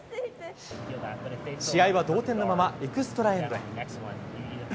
試合は同点のまま、エキストラエンド。